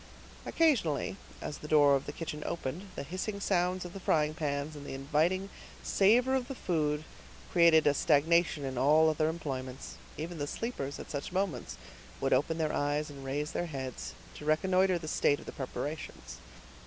Occasionally, as the door of the kitchen opened, the hissing sounds of the frying pans and the inviting savor of the food created a stagnation in all other employments; even the sleepers, at such moments, would open their eyes, and raise their heads, to reconnoiter the state of the preparations.